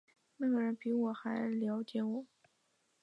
那个人比我还瞭解我